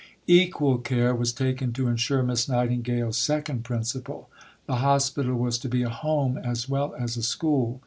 Equal care was taken to ensure Miss Nightingale's second principle. The Hospital was to be a home as well as a school.